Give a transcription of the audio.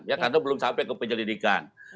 ya karena belum sampai ke penyelidikan